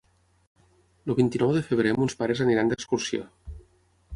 El vint-i-nou de febrer mons pares aniran d'excursió.